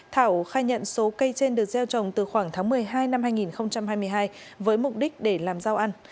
thảo khai nhận số cây trên được gieo trồng từ khoảng tháng một mươi hai năm hai nghìn hai mươi hai với mục đích để làm rau ăn